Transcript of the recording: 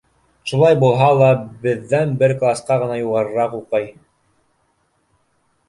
Шулай булһа ла, беҙҙән бер класҡа ғына юғарыраҡ уҡый.